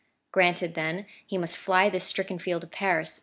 Granted, then, he must fly this stricken field of Paris.